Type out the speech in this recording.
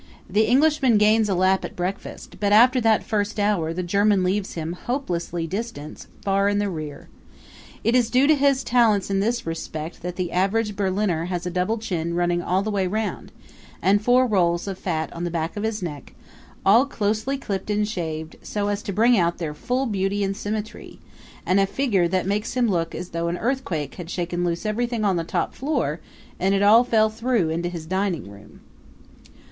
The Englishman gains a lap at breakfast; but after that first hour the German leaves him, hopelessly distanced, far in the rear. It is due to his talents in this respect that the average Berliner has a double chin running all the way round, and four rolls of fat on the back of his neck, all closely clipped and shaved, so as to bring out their full beauty and symmetry, and a figure that makes him look as though an earthquake had shaken loose everything on the top floor and it all fell through into his dining room.